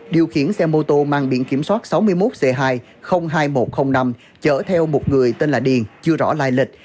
điều khiển xe mô tô mang biển kiểm soát sáu mươi một c hai hai nghìn một trăm linh năm chở theo một người tên là điền chưa rõ lai lịch